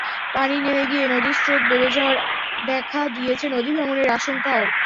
পানি নেমে গিয়ে নদীর স্রোত বেড়ে যাওয়ায় দেখা দিয়েছে নদীভাঙনের আশঙ্কাও।